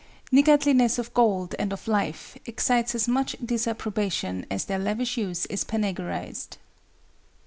Niggardliness of gold and of life excites as much disapprobation as their lavish use is panegyrized.